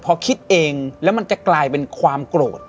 พอคิดเองแล้วมันจะกลายเป็นความโกรธ